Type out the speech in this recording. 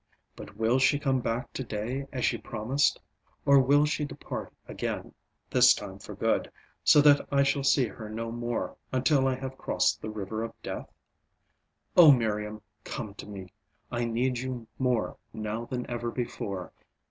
But will she come back today as she promised? Or will she depart again, this time for good, so that I shall see her no more until I have crossed the River of Death. O Miriam, come to me, I need you more now than ever before.